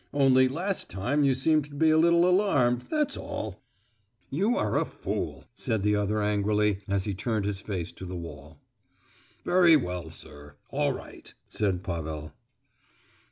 Only last time you seemed to be a little alarmed, that's all." "You are a fool!" said the other angrily, as he turned his face to the wall. "Very well, sir; all right," said Pavel.